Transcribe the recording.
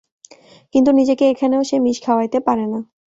কিন্তু নিজেকে এখানেও সে মিশ খাওয়াইতে পারে না।